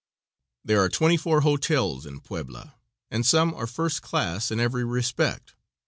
There are twenty four hotels in Puebla, and some are first class in every respect.